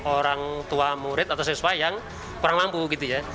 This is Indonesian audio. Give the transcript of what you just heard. orang tua murid atau siswa yang kurang mampu gitu ya